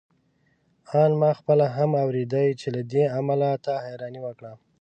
آن ما خپله هم اورېدې چې له دې امله تا حيراني وکړه.